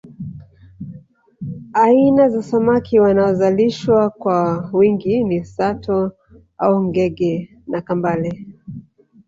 Aina za samaki wanaozalishwa kwa wingi ni sato au ngege na kambale